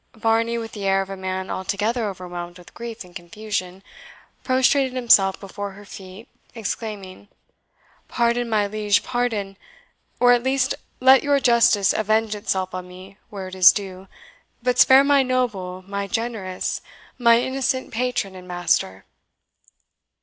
Varney, with the air of a man altogether overwhelmed with grief and confusion, prostrated himself before her feet, exclaiming, "Pardon, my Liege, pardon! or at least let your justice avenge itself on me, where it is due; but spare my noble, my generous, my innocent patron and master!"